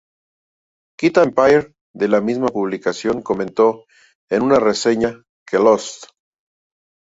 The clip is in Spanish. Kitty Empire de la misma publicación comentó en una reseña que "Lost!